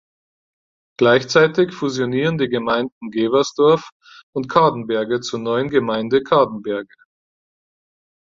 Gleichzeitig fusionieren die Gemeinden Geversdorf und Cadenberge zur neuen Gemeinde Cadenberge.